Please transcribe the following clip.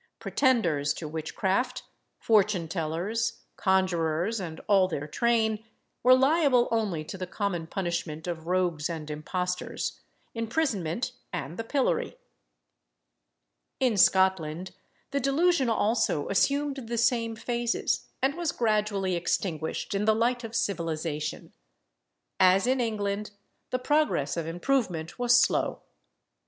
Pretenders to witchcraft, fortune tellers, conjurors, and all their train, were liable only to the common punishment of rogues and impostors imprisonment and the pillory. In Scotland, the delusion also assumed the same phases, and was gradually extinguished in the light of civilisation. As in England, the progress of improvement was slow.